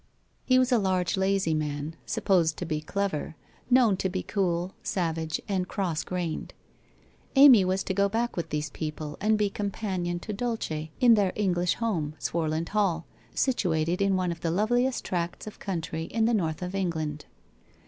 He was a large lazy man, supposed to be clever, known to be cool, savage and cross grained. Amy was to go back with these people and be companion to Dulce in their English home, Swarland Hall, situated in one of the loveliest tracts of country in the north of England.